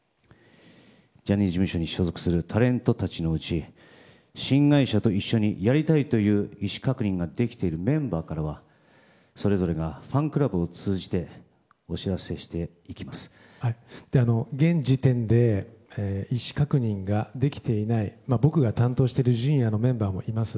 ジャニーズ事務所に所属するタレントたちのうち新会社と一緒にやりたいという意思確認ができているメンバーからはそれぞれがファンクラブを通じて現時点で意思確認ができていない僕が担当しているＪｒ．のメンバーもいます。